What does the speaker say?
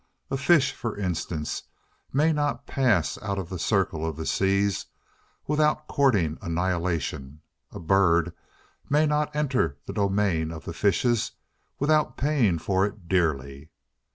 A fish, for instance, may not pass out of the circle of the seas without courting annihilation; a bird may not enter the domain of the fishes without paying for it dearly.